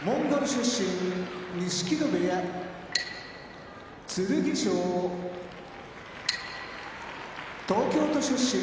出身錦戸部屋剣翔東京都出身